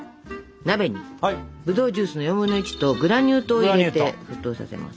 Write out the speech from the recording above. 鍋にぶどうジュースの４分の１とグラニュー糖を入れて沸騰させます。